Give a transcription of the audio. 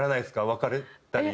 別れたり。